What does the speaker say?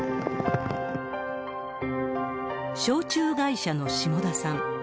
焼酎会社の下田さん。